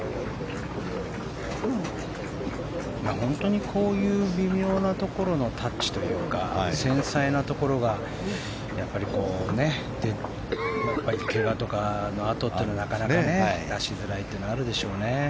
本当にこういう微妙なところのタッチというか繊細なところがやっぱりけがとかのあとはなかなか出しづらいのはあるでしょうね。